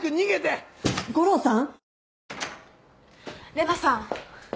玲奈さん。